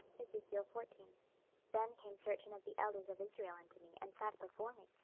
26:014:001 Then came certain of the elders of Israel unto me, and sat before me.